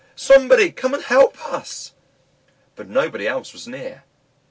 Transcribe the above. somebody come and help us!" But nobody else was near.